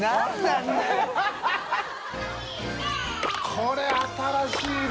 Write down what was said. これ新しいな。